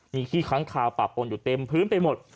มีขี้ค้างคาวปะปนอยู่เต็มพื้นไปหมด